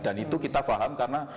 dan itu kita paham karena